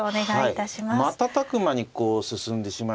瞬く間にこう進んでしまいました。